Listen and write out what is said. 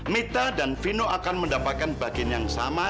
mita dan vino akan mendapatkan bagian yang sama